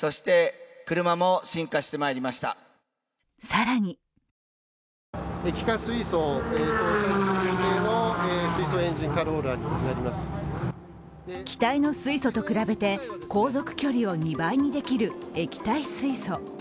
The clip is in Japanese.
更に気体の水素と比べて航続距離を２倍にできる液体水素。